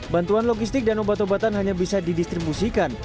bantuan logistik dan obat obatan hanya bisa didistribusikan